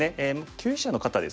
級位者の方ですかね。